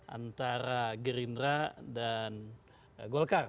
antara gerindra dan golkar